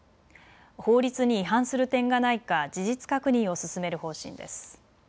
法律に違反する点がないか事実確認を進める方針です。